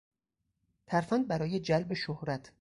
ترفند برای جلب شهرت